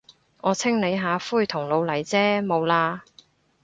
我清理下灰同老泥啫，冇喇。